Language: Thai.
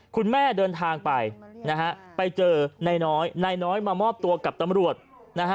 คุณแม่เดินทางไปไปเจอนายน้อยนายน้อยมามอบตัวกับตำรวจ